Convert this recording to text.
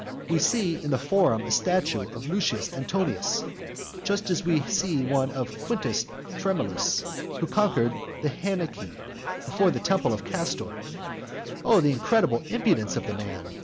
We see in the forum a statue of Lucius Antonius, just as we see one of Quintus Tremulus, who conquered the Hernici, before the temple of Castor. Oh the incredible impudence of the man!